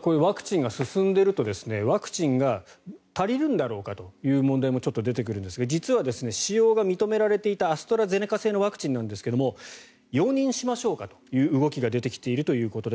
こういうワクチンが進んでいるとワクチンが足りるんだろうかという問題もちょっと出てきますが実は使用が認められていたアストラゼネカ製のワクチンなんですが容認しましょうかという動きが出てきているということです。